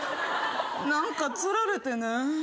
何か釣られてねぇ。